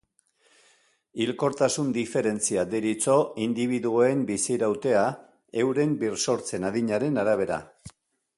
Hilkortasun diferentzia deritzo indibiduoen bizirautea euren birsortzen adinaren arabera.